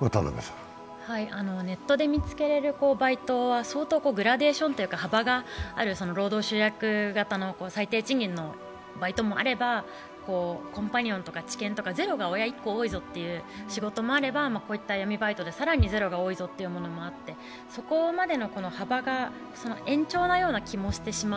ネットで見つけられるバイトは相当グラデーションというか幅がある労働集約型の最低賃金のバイトもあればコンパニオンとか０が１個多いというバイトもあれば闇バイトで更に「０」が多いぞというのもあってそこまでの幅が延長のような気もしてしまう。